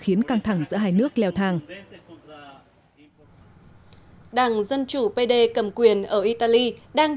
khiến căng thẳng giữa hai nước leo thang đảng dân chủ pd cầm quyền ở italy đang